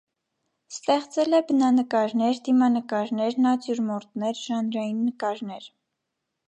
Ստեղծել է բնանկարներ, դիմանկարներ, նատյուրմորտներ, ժանրային նկարներ։